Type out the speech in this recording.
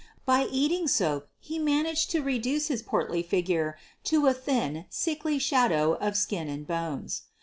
By eating soap he managed to reduce his portly figure to a thin, sickly shadow of skin and bones.